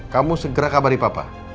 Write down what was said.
kamu segera kabari papa